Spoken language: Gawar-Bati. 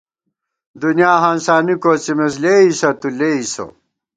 دُنیا ہانسانی کوڅِمېس لېئیسہ تُو لېئیسہ